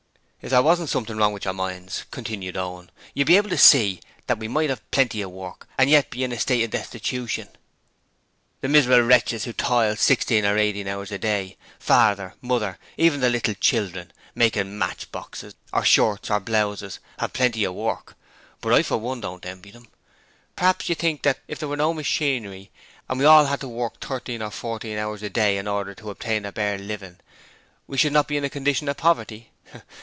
'If there wasn't something wrong with your minds,' continued Owen, 'you would be able to see that we might have "Plenty of Work" and yet be in a state of destitution. The miserable wretches who toil sixteen or eighteen hours a day father, mother and even the little children making match boxes, or shirts or blouses, have "plenty of work", but I for one don't envy them. Perhaps you think that if there was no machinery and we all had to work thirteen or fourteen hours a day in order to obtain a bare living, we should not be in a condition of poverty?